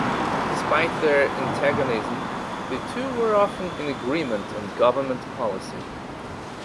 Despite their antagonism, the two were often in agreement on government policy.